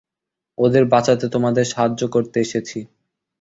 ওদের বাঁচাতে তোমাদের সাহায্য করতে এসেছি।